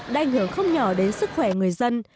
đã ảnh hưởng không nhỏ đến sức khỏe người dân